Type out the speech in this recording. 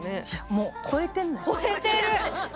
もう、超えてんの。